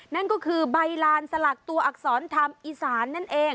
นั่นก็คือใบลานสลักตัวอักษรธรรมอีสานนั่นเอง